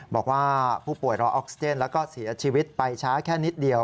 บอกว่าผู้ป่วยรอออกซิเจนแล้วก็เสียชีวิตไปช้าแค่นิดเดียว